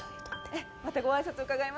ええまたご挨拶伺いますので。